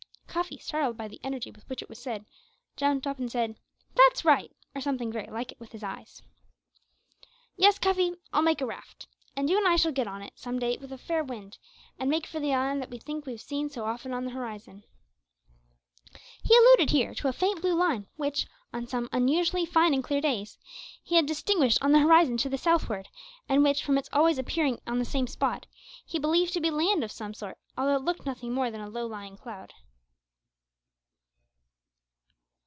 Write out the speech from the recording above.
Cuffy, startled by the energy with which it was said, jumped up and said, "That's right!" or something very like it with his eyes. "Yes, Cuffy, I'll make a raft, and you and I shall get on it, some day, with a fair wind, and make for the island that we think we've seen so often on the horizon." He alluded here to a faint blue line which, on unusually fine and clear days, he had distinguished on the horizon to the southward, and which, from its always appearing on the same spot, he believed to be land of some sort, although it looked nothing more than a low lying cloud.